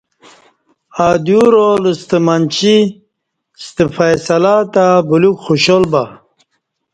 ادیو رالہ ستہ منچی ستہ فیصلہ تہ بلیوک خوشحال بہ